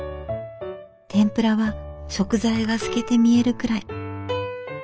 天ぷらは食材が透けて見えるくらい。